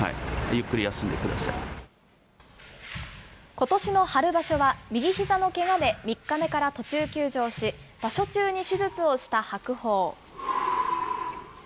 ことしの春場所は、右ひざのけがで３日目から途中休場し、場所中に手術をした白鵬。